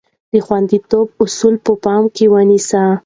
د خوندیتوب اصول په پام کې ونیسئ.